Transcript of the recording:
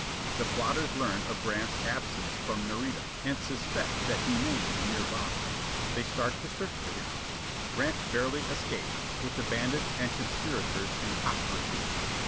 The plotters learn of Grant's absence from Nareda, and suspect that he may be nearby. They start to search for him. Grant barely escapes, with the bandits and conspirators in hot pursuit.